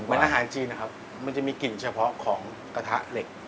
อาหารจีนนะครับมันจะมีกลิ่นเฉพาะของกระทะเหล็ก